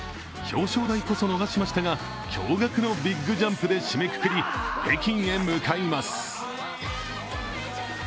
表彰台こそ逃しましたが、驚がくのビッグジャンプで締めくくり、北京へ向かいます。